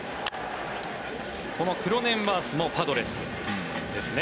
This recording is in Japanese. このクロネンワースもパドレスですね。